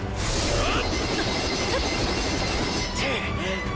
あっ。